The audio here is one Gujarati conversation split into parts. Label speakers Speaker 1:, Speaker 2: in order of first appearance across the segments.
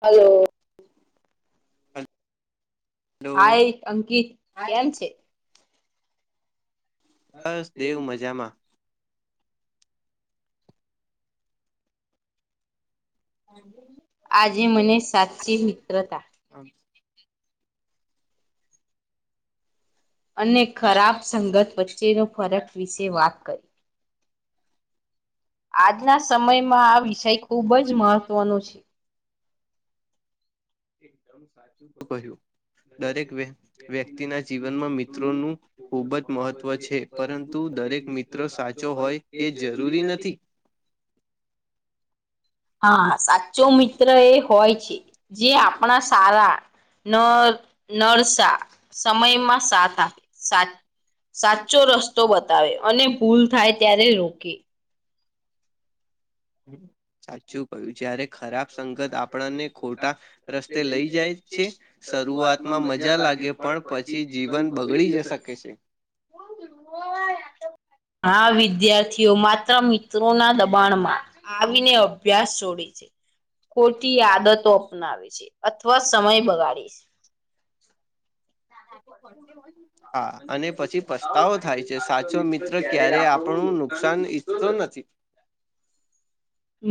Speaker 1: હલો.
Speaker 2: [inaudible]
Speaker 1: હાઈ અંકિત કેમ છે?
Speaker 2: બસ દેવ મજામાં. [inaudible]
Speaker 1: આજે મને સાચી મિત્રતા
Speaker 2: હા.
Speaker 1: અને ખરાબ સંગત વચ્ચેનો ફરક વિશે વાત કરીએ. આજના સમયમાં આ વિષય ખુબ જ મહત્વનો છે. એકદમ સાચ
Speaker 2: કહ્યું દરેક વ્યક્તિના જીવનમાં મિત્રોનું ખૂબ જ મહત્વ છે પરંતુ દરેક મિત્રો સાચો હોય એ જરૂરી નથી.
Speaker 1: હા સાચો મિત્ર એ હોય છે જે આપણા સારા નર નરસા સમયમાં સાથ આપે સાથ સાચો રસ્તો બતાવે અને ભૂલ થાય ત્યારે રોકે.
Speaker 2: હમ્મ સાચું કયું જયારે ખરાબ સંગત આપણને ખોટા રસ્તે લઈ જાય છે, શરૂઆતમાં મજા લાગે પણ પછી જીવન બગડી જ શકે છે.
Speaker 1: હું હોય આ હા વિદ્યાર્થીઓ માત્ર મિત્રોના દબાણમાં આવીને અભ્યાસ છોડે છે. ખોટી આદતો અપનાવે છે, અથવા સમય બગાડે છે.
Speaker 2: તા બી ફડસે હોય ને? હા અને પછી પસ્તાવો થાય છે, સાચો મિત્ર ક્યારે આપણું નુકસાન ઈચ્છતો નથી.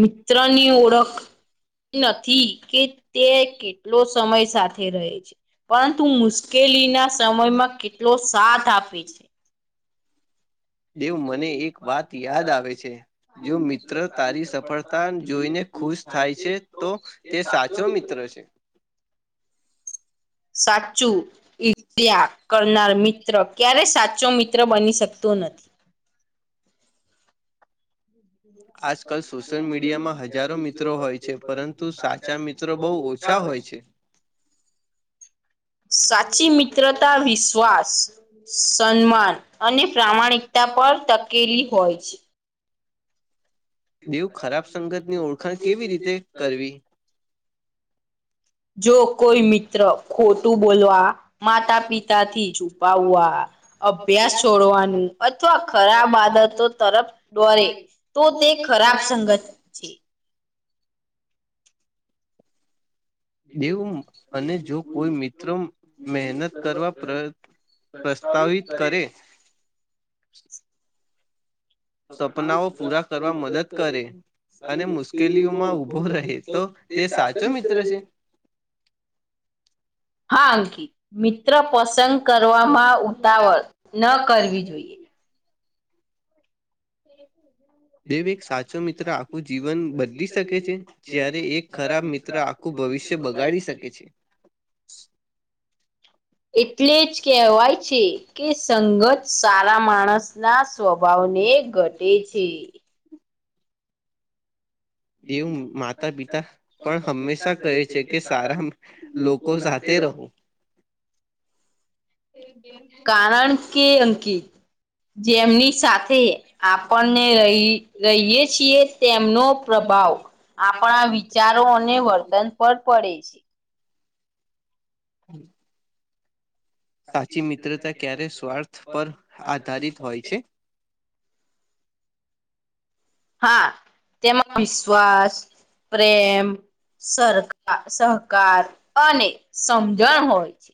Speaker 1: મિત્રની ઓળખ તી નથી કેતે કેટલો સમય સાથે રહે છે. પરંતુ મુશ્કેલીના સમયમાં કેટલો સાથ આપે છે.
Speaker 2: [unintelligible] [inaudible] દેવ મને એક વાત યાદ આવે છે, જો મિત્ર તારી સપ મિત્રતા જોઈને ખુશ થાય છે તો તે સાચો મિત્ર છે.
Speaker 1: સાચું ઈતયા કરનાર મિત્ર ક્યારેય સાચો મિત્ર બની શકતો નથી.
Speaker 2: આજકાલ સોશિયલ મીડિયામાં હજારો મિત્રો હોય છે, પરંતુ સાચા મિત્રો બહુ ઓ ઓછા હોય છે.
Speaker 1: સાચી મિત્રતા વિશ્વાસ સન્માન અને પ્રામાણિક તા પર તકેલી હોય છે.
Speaker 2: દેવ ખરાબ સંગતની ઓળખા કેવી રીતે કરવી
Speaker 1: જો કોઈ મિત્ર ખોટું બોલવાથી માતા પિતાથી છુપાવવા અભ્યાસ છોડવાનું અથવા ખરાબ આદતો તરફ દોરે તોતે ખરાબ સંગત
Speaker 2: દેવું અને જો કોઈ મિત્રો મહેનત કરવા પ્રયત્ન પ્રસ્તાવિત કરે, સપનાઓ પૂરા કરવા મદદ કરે અને મુશ્કેલીઓમાં ઊભો રહે તે તો સાચો મિત્ર છે. [inaudible] આ મિત્ર પસંદ કરવામાં દાવ ન કરવી
Speaker 1: [inaudible]
Speaker 2: દેવ એક સાચો મિત્ર આખું જીવન બદલી શકે છે? જયારે એક ખરાબ મિત્ર આખું ભવિષ્ય બગાડી શકે છે.
Speaker 1: એટલે જ કહેવાય છે, કે સંગત સારા માણસના સ્વભાવને ઘટે છે.
Speaker 2: એવું માતા પિતા પણ હમેશા કહે છે, કે સારા લોકો સાથે રહો. [unintelligible]
Speaker 1: જેમની સાથે આપણને રહી રહીએ છીએ. તેમનો પ્રભાવ આપણા વિચારો અને વર્તન પર પડે છે.
Speaker 2: હમ્મ. સાચી મિત્રતા ક્યારે સ્વાર્થ પર આધારિત હોય છે,
Speaker 1: હા તેમાં વિશ્વાસ પ્રેમ, સરકાર, સહકાર અને સમજણ હોય છે.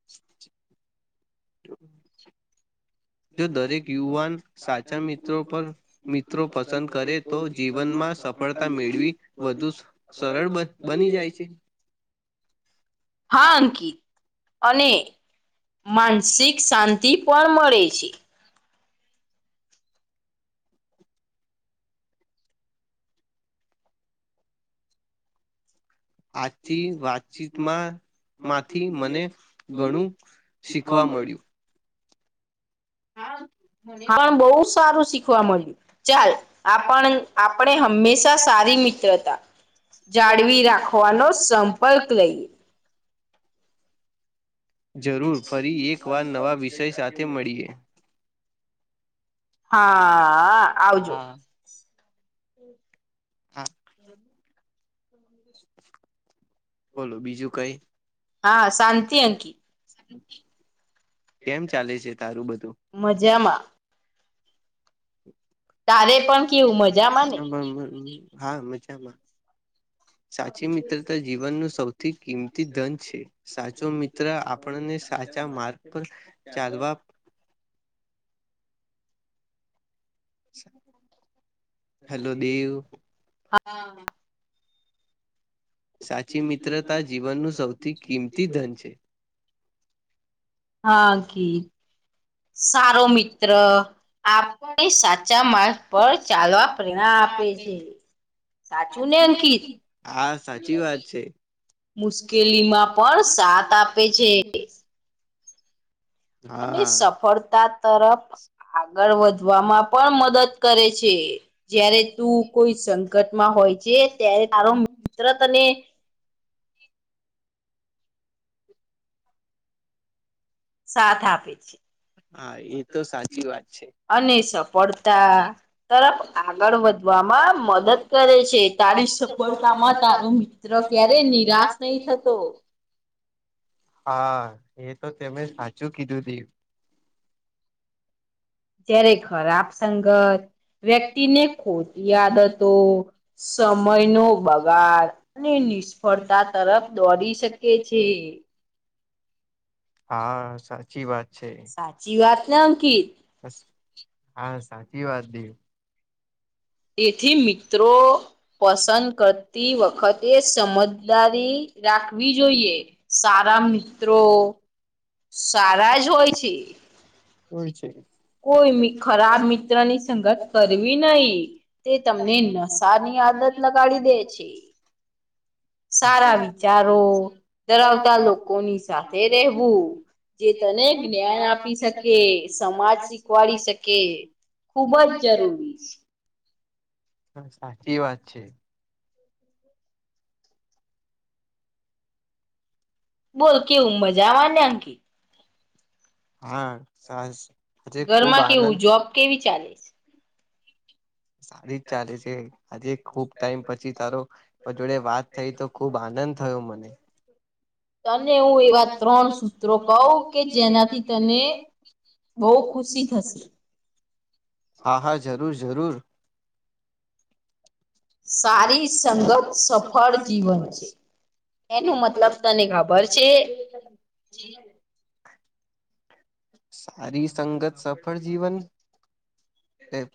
Speaker 2: [inaudible] જો દરેક યુવાન સાચા મિત્રો પર મિત્રો પસંદ કરે તો જીવનમાં સફળતા મેળવી વધુ સરળ બની જાય છે.
Speaker 1: હા અંકિત અને માનસિક શાંતિ પણ મળે
Speaker 2: આજથી વાતચીતમાં માંથી મને ઘણું
Speaker 1: શીખવા મળયુ.
Speaker 2: હા.
Speaker 1: હા બહુ સારું શીખવા મળ્યું ચાલ આપણ આપણે હંમેશા સારી મિ ત્રતા જાળવી રાખવાનો સંપર્ક લઈએ,
Speaker 2: જરૂર ફરી એક વાર નવા વિષય સાથે મળીએ
Speaker 1: હા હા આવજો
Speaker 2: હા બોલો બીજું બીજું કઈ હા શાંતિ હતી કેમ ચાલે છે તારું બધું તારે પણ કેવું મજામાં હા મજામાં સાચી મિત્રતા જીવનનું સૌથી કિંમતી ધન છે. સાચો મિત્ર, આપણને સાચા માર્ગ પર-
Speaker 1: [inaudible]
Speaker 2: હેલો, દેવ. સાચી મિત્રતા, જીવનનું સૌથી કિંમતી ધન છે.
Speaker 1: હા, કે સારો મિત્ર- આપને, સાચા માર્ગ પર ચાલવા પ્રેરણા આપે છે. સાચું ને અંકિત?
Speaker 2: હા, સાચી વાત છે.
Speaker 1: મુશ્કેલીમાં પણ સાથ આપે છે. અને, સફળતા તરફ- આગળ વધવામાં પણ મદદ કરે છે. જયારે તું કોઈ સંગ- -તમાં હોય છે ત્યારે તારો મિત્ર તને- -સાથ આપે છે. -અને સફળતા તર- આગળ વધવામાં મદદ કરે છે. તારી સફળતામાં તારો મિત્ર, મિત્ર ક્યારે નિરાશ નહી થતો.
Speaker 2: હા, એ તો તમે સાચું કીધું. દેવ-
Speaker 1: કયારેય ખરાબ સંગત- વ્યક્તિને ખોટી યાદતો, સમયનો બગાડ, અને નિષ્ફળતા તરફ દોરી શકે છે.
Speaker 2: હા, સાચી વાત છે. બસ, હા સાચી વાત દેવ.
Speaker 1: તેથી, મિત્રો પસંદ કરતી વખતે સમજદારી, રાખવી જોઈએ. સારા મિત્રો- સારા જ હોય છે.
Speaker 2: હોય છે.
Speaker 1: કોઈ ખરાબ મિત્રની સંગત કરવી નહી. તે તમને ન- -સાની આદત લગાડી દે છે. સારા વિચારો ધરાવતા લોકોની સાથે રહેવું. જે તને જ્ઞાન આપી શકે, સમાજ શીખવાડી શકે, ખુબ જ જરૂરી છે.
Speaker 2: હ, સાચી વાત છે.
Speaker 1: [inaudible] [unintelligible]
Speaker 2: [inaudible] [unintelligible] જે ખૂબ આનંદ [inaudible] [inaudible] સારી જ ચાલે છે, આજે ખુબ ટાઈમ પછી તારો- પણ જોડે વાત થઈ, તો ખુબ આનંદ થયો મને. તને એવાત કહું કે જેનાથી તને. બહુ ખુશી થશે, હા, હા જરૂર, જરૂર.
Speaker 1: સારી સંગત સફળ જીવન છે, એનો મતલબ તને ખબર છે?
Speaker 2: જી [inaudible] સારી સંગત સફળ જીવન- એમ,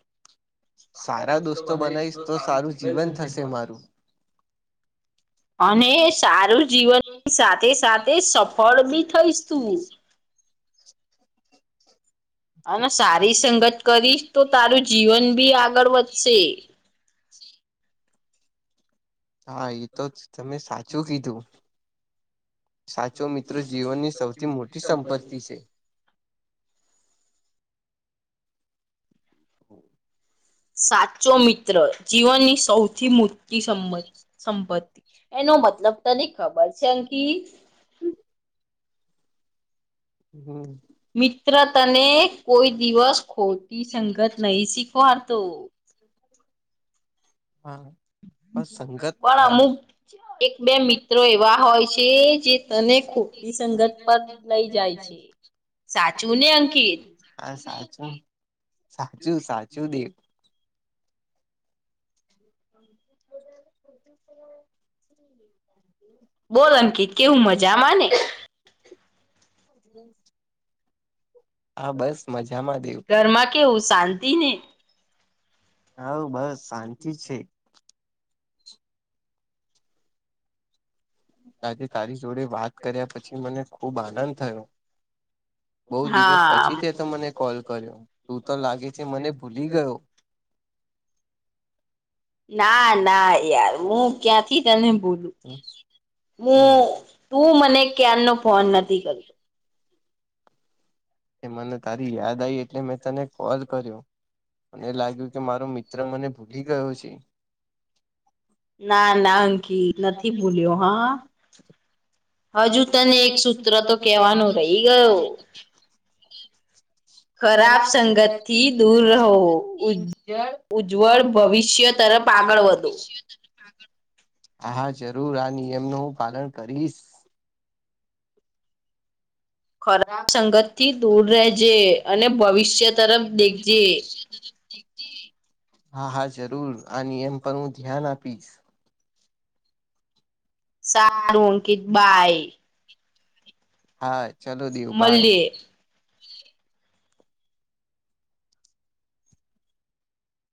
Speaker 2: સારા દોસ્તો બનાવીશ, તો સારું જીવન થશે મારું.
Speaker 1: અને સારું જીવનની સાથે સાથે સફળ બી થઈશું.
Speaker 2: [inaudible] સારી સંગત કરી [unintelligible] આગળ છે હા, એતો તમે સાચું કીધું. સાચો મિત્રો જીવનની સૌથી મોટી સંપત્તિ છે.
Speaker 1: સાચો મિત્ર જીવનની સૌથી મોટી સંપત્તિ છે. એનો મતલબ તને ખબર છે, અંકીત
Speaker 2: શું?
Speaker 1: મિત્ર તને કોઈ દિવસ ખોટી સંગત નહીં શીખવાડતો.
Speaker 2: હા.
Speaker 1: પણ અમુક એક બે મિત્રો એવા હોય છે, જે તને ખુબ એ સંગત પર
Speaker 2: [unintelligible]
Speaker 1: લઈ
Speaker 2: હા સાચું. સાચું સાચું દે
Speaker 1: [inaudible] [inaudible] બોલ અંકિત કેવું મજામાં ને.
Speaker 2: [unintelligible] હા, બસ મજામાં છે. હા, બસ શાંતિ જ છે. આજે તારી જોડે વાત કર્યા પછી મને ખૂબ આનંદ થયો. બહુ દિવસ પછી તું એ તો મને કોલ કર્યો તું તો લાગે છે, મને ભૂલી ગયો.
Speaker 1: ના, ના, યાર હું ક્યાંથી તને ભૂલું. શું, તું મને ક્યારનો ફોન નથી કરતો.
Speaker 2: એ મને તારી યાદ આવી એટલે મેં તને કોલ કર્યો. મને લાગ્યું કે મારો મિત્ર મને ભૂલી ગયો છે. ના, ના, નથી બોલ્યો હા. હજુ તને એક સૂત્ર તો કહેવાનું [unintelligible] ખરાબ સંગતથી દૂર રહો, ઉજવળ ભવિષ્ય તરફ આગળ વધો. હા, જરૂર આ નિયમનું હું પાલન કરીશ. ખરાબ સંગતથી દૂર રહેજે અને ભવિષ્ય તરફ દેખજે. હા, હા જરૂર આ નિયમ પર હું ધ્યાન આપીશ.
Speaker 1: સારું અંકિત બાય.
Speaker 2: ચાલો દેવ બાય.